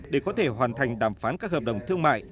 để có thể hoàn thành đàm phán các hợp đồng thương mại